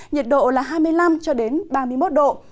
nhiệt độ là hai mươi năm cho đến ba mươi một độ